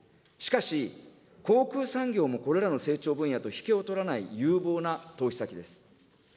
しかし、航空産業もこれらの成長分野と引けを取らない有望な投資先です。